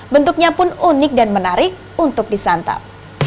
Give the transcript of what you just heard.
bentuknya pun unik dan menarik untuk disantap